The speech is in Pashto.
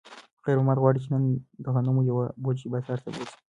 خیر محمد غواړي چې نن د غنمو یوه بوجۍ بازار ته بوځي.